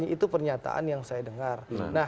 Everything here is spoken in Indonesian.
itu pernyataan yang saya dengar